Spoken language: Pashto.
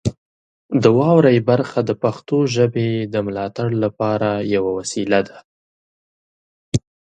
د واورئ برخه د پښتو ژبې د ملاتړ لپاره یوه لویه وسیله ده.